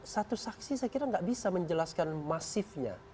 satu saksi saya kira nggak bisa menjelaskan masifnya